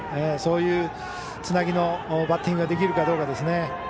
そういうつなぎのバッティングができるかどうかですね。